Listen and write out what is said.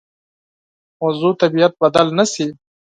موضوع طبیعت بدل نه شي.